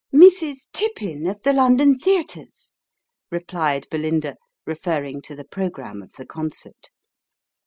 " Mrs. Tippin, of the London theatres," replied Belinda, referring to the programme of the concert.